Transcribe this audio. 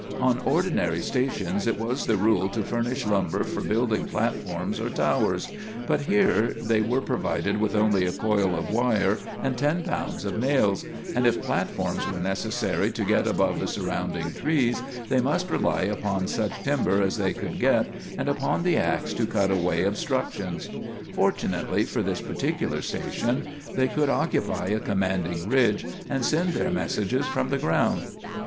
On ordinary stations it was the rule to furnish lumber for building platforms or towers, but here they were provided with only a coil of wire and ten pounds of nails, and if platforms were necessary to get above the surrounding trees they must rely upon such timber as they could get, and upon the ax to cut away obstructions. Fortunately for this particular station, they could occupy a commanding ridge and send their messages from the ground.